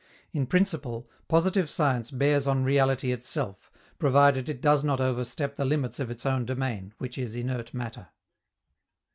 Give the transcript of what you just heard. In principle, positive science bears on reality itself, provided it does not overstep the limits of its own domain, which is inert matter.